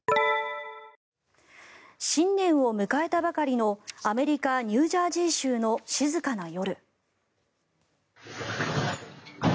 新年を迎えたばかりのアメリカ・ニュージャージー州の静かな夜。